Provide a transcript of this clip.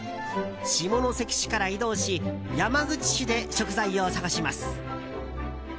下関市から移動し山口市で食材を探します。